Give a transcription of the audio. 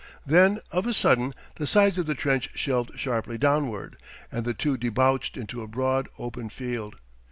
Then, of a sudden, the sides of the trench shelved sharply downward, and the two debouched into a broad, open field.